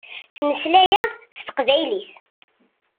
Ttmeslayeɣ s teqbaylit.